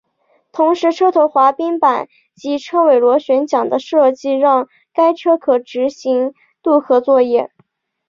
同时车头滑水板及车尾螺旋桨的设计让该车可执行渡河作业。